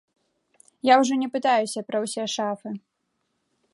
Я ўжо не пытаюся пра ўсе шафы.